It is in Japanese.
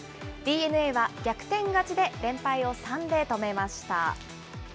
ＤｅＮＡは逆転勝ちで連敗を３で止めました。